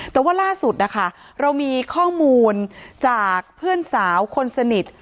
แต่ว่าล่าสุดนะคะเรามีข้อมูลจากเพื่อนสาวคนสนิท